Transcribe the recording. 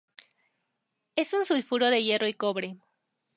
Es un sulfuro de hierro y cobre.